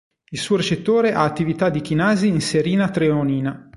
Il suo recettore ha attività di chinasi in serina treonina.